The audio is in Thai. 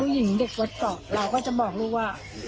หญิงเด็กวัดเกาะเราก็จะบอกลูกว่า